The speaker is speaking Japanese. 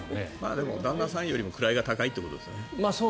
でも旦那さんよりも位が高いということですね。